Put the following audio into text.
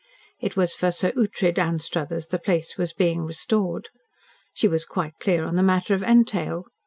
It was for Sir Ughtred Anstruthers the place was being restored. She was quite clear on the matter of entail.